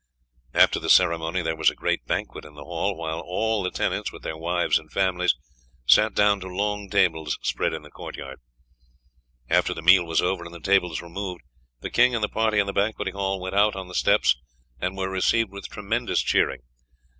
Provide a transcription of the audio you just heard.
After the ceremony there was a great banquet in the hall, while all the tenants, with their wives and families, sat down to long tables spread in the court yard. After the meal was over and the tables removed, the king and the party in the banqueting hall went out on the steps and were received with tremendous cheering.